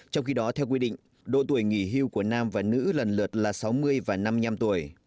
trong khi đó theo quy định độ tuổi nghỉ hưu của nam và nữ lần lượt là sáu mươi và năm mươi năm tuổi